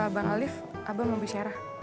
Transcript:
bang alif abah mau bicara